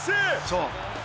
そう。